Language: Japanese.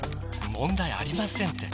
問題ありませんって。